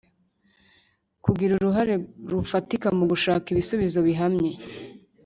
Kugira uruhare rufatika mu gushaka ibisubizo bihamye